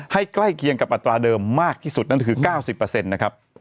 ให้ใกล้เคียงกับอัตราเดิมมากที่สุดนั่นคือ๙๐เปอร์เซ็นต์นะครับ